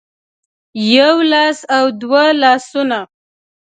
يو لاس او دوه لاسونه